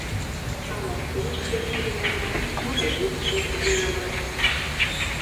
Ала серже винамат, ала вӱдшӧ винамат, -